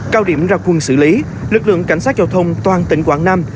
cao điểm ra quân xử lý lực lượng cảnh sát giao thông toàn tỉnh quảng nam